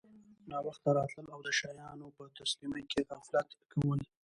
ناوخته راتلل او د شیانو په تسلیمۍ کي غفلت کول